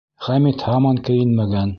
Хәмит һаман кейенмәгән.